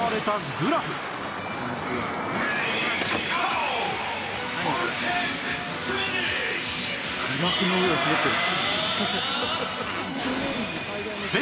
「グラフの上を滑ってる」